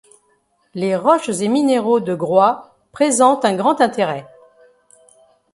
Les roches et minéraux de Groix présentent un grand intérêt.